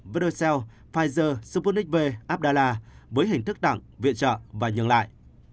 virocell pfizer sputnik v abdala với hình thức tặng viện trợ và nhận lại